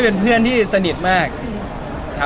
มีมีมีมีมีมีมีมี